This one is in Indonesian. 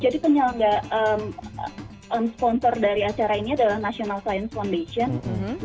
jadi kenapa gak sponsor dari acara ini adalah national science foundation